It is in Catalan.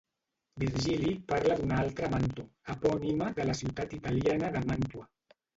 Virgili parla d'una altra Manto, epònima de la ciutat italiana de Màntua.